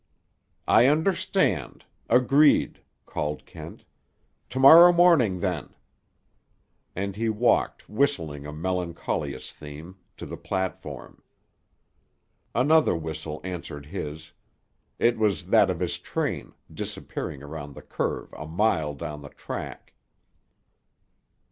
"I understand. Agreed," called Kent. "To morrow morning, then." And he walked, whistling a melancholious theme, to the platform. Another whistle answered his. It was that of his train, disappearing around the curve a mile down the track.